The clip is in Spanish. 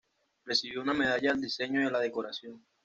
Recibió una medalla al diseño y a la decoración.